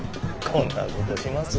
こんなことします？